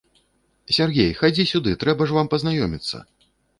Сяргей, хадзі сюды, трэба ж вам пазнаёміцца.